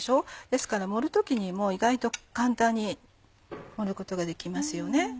ですから盛る時にも意外と簡単に盛ることができますよね。